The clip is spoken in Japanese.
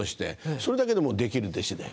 それだけでもうできる弟子だよ。